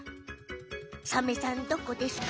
サメさんどこですか？